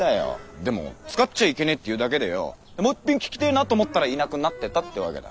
でも「使っちゃいけねえ」って言うだけでよォもういっぺん聞きてえなと思ったらいなくなってたってわけだ。